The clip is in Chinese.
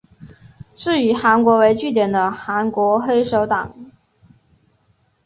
是以韩国为据点的韩国黑手党。